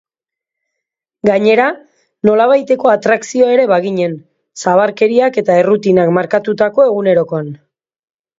Gainera, nolabaiteko atrakzioa ere baginen, zabarkeriak eta errutinak markatutako egunerokoan.